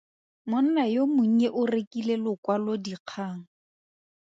Monna yo monnye o rekile lokwalodikgang.